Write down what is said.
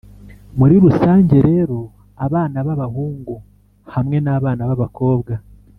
muri rusange rero abana b'abahungu hamwe n'abana b'abakobwa